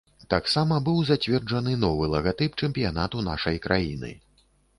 Таксама быў зацверджаны новы лагатып чэмпіянату нашай краіны.